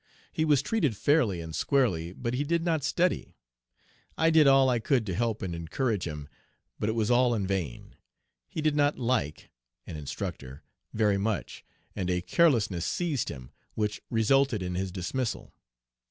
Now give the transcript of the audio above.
He was treated fairly and squarely, but he did not study. I did all I could to help and encourage him, but it was all in vain. He did not like (an instructor) very much, and a carelessness seized him, which resulted in his dismissal.